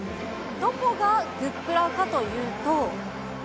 どこがグップラかというと。